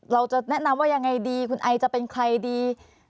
เราจะแนะนำว่ายังไงดีคุณไอจะเป็นใครดี